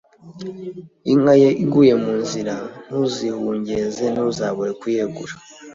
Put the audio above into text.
inka ye iguye mu nzira ntuzihugenze ntuzabure kuyegura